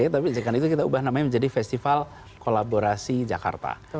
tapi sekarang itu kita ubah namanya menjadi festival kolaborasi jakarta